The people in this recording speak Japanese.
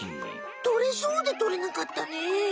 とれそうでとれなかったね。